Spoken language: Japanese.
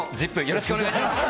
よろしくお願いします。